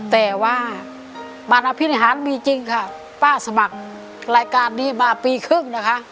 แต่ว่าบัตรอภินิหารมีจริงค่ะป้าสมัครรายการนี้มาปีครึ่งนะคะ